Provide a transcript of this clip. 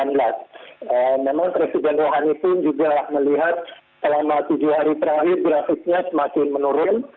memang presiden rohani pun juga melihat selama tujuh hari terakhir grafiknya semakin menurun